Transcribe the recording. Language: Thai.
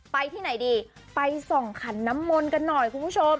ไปที่ไหนดีไปส่องขันน้ำมนต์กันหน่อยคุณผู้ชม